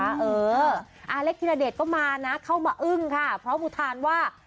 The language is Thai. อาเล็กธิรเดชก็มานะเข้ามาอึ้งค่ะพร้อมอุทานว่า